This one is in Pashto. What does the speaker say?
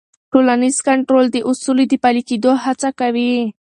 ټولنیز کنټرول د اصولو د پلي کېدو هڅه کوي.